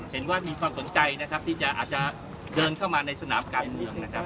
เห็นว่ามีความสนใจนะครับที่จะอาจจะเดินเข้ามาในสนามการเมืองนะครับ